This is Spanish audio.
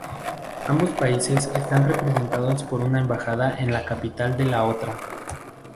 Ambos países están representados por una embajada en la capital de la otra.